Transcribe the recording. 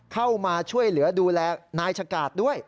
เข้ามาช่วยเหลือดูแลนายชะกาดด้วย